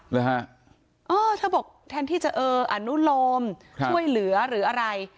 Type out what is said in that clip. เออเธอบอกแทนที่จะเอออนุโลมช่วยเหลือหรืออะไร